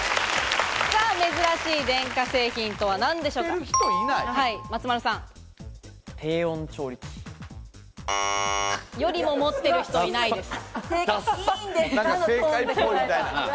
珍しい電化製品とは一体何で低温調理器。よりも持ってる人いないです。